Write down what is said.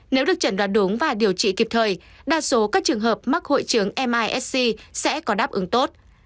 nếu được chẩn đoán đúng và điều trị kịp thời đa số các trường hợp mắc hội chứng misc sẽ có đáp ứng tốt